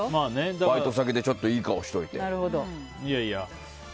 バイト先で、いい顔しておいて。